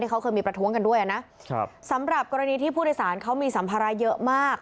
เขาเคยมีประท้วงกันด้วยนะครับสำหรับกรณีที่ผู้โดยสารเขามีสัมภาระเยอะมาก